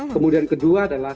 kemudian kedua adalah